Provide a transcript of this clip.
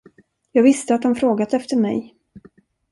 Jag visste att han frågat efter mig.